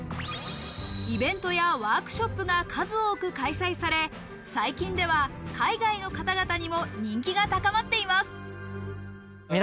イベントやワークショップが数多く開催され、最近では海外の方々にも人気が高まっています。